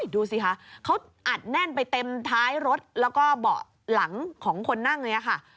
ดูสิคะเขาอัดแน่นไปเต็มท้ายรถแล้วก็เบาะหลังของคนนั่งเลยค่ะ